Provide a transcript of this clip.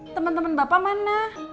temen temen bapak mana